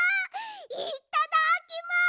いっただっきます！